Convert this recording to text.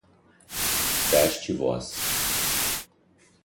teste voz